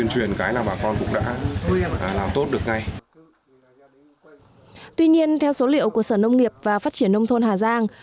theo báo cáo của sở nông nghiệp và phát triển nông thôn hà giang